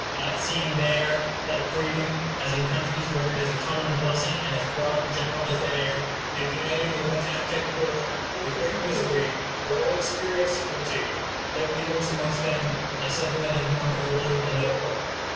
Not seeing there, that freedom, as in countries where it is a common blessing and as broad and general as the air, may be united with much abject toil, with great misery, with all the exterior of servitude; liberty looks, amongst them, like something that is more noble and liberal.